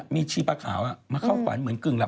มีชีปลาขาวมาเข้าฝันเหมือนกึ่งหลับ